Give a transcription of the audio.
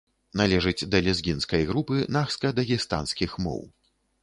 Належыць да лезгінскай групы нахска-дагестанскіх моў.